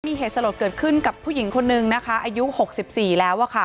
มีเหตุสลดเกิดขึ้นกับผู้หญิงคนนึงนะคะอายุ๖๔แล้ว